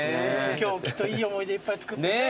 今日きっといい思い出いっぱいつくってね。